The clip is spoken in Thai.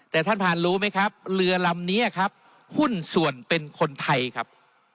แต่ท่านผ่านรู้ไหมครับเรือลำนี้ครับหุ้นส่วนเป็นคนไทยครับ